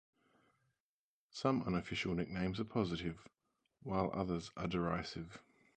Some unofficial nicknames are positive, while others are derisive.